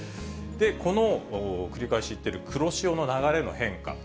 この繰り返し言っている黒潮の流れの変化。